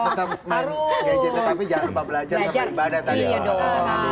gak kamu kok ya tetap main gadgetnya tapi jangan lupa belajar sama ibadah tadi ya mbak nadi ya